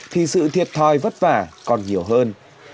thì sự thiệt thoi vất vả còn nhiều hơn